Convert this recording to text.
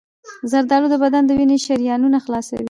زردآلو د بدن د وینې شریانونه خلاصوي.